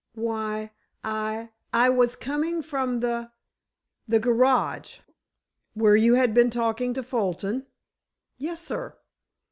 "Why, I—I was coming from the—the garage——" "Where you had been talking to Fulton?" "Yes, sir."